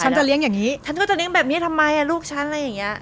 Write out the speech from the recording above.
ฉันจะเลี้ยงอย่างนี้ฉันก็จะเลี้ยงแบบนี้ทำไมลูกฉันอะไรอย่างเงี้ย